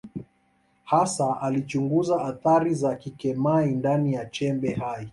Hasa alichunguza athari za kikemia ndani ya chembe hai.